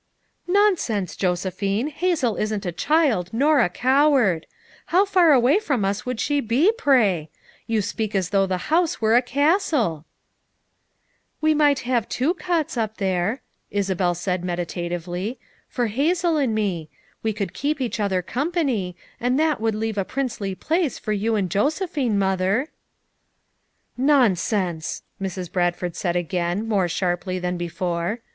"Nonsense, Josephine. Hazel isn't a child, nor a coward. How far away from us would she be, pray? You speak as though the house •were a castle." "We might have two cots up there," Isabel said meditatively, "for Hazel and me; we could keep each other company, and that would leave 106 FOUR MOTHERS AT CHAUTAUQUA MoE."" SPaC °'" 5 '° U ' md *«" Nonsense !» Mrs. Bradford said again, more sharply than before.